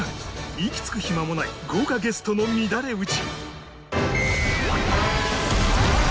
息つく暇もない豪華ゲストの乱れ打ち！